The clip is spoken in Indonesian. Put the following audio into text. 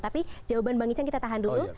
tapi jawaban bang icang kita tahan dulu